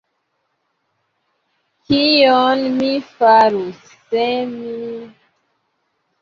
Kion mi farus, se mi…